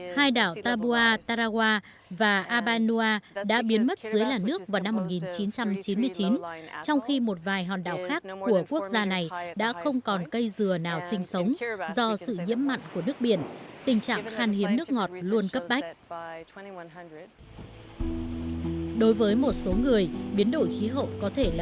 hai đảo tabua tarawa và abanua đã biến mất dưới làn nước vào năm một nghìn chín trăm chín mươi chín trong khi một vài hòn đảo khác của quốc gia này đã không còn cây dừa nào sinh sống do sự nhiễm mặn của nước biển tình trạng khan hiếm nước ngọt luôn cấp bách